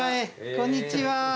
こんにちは。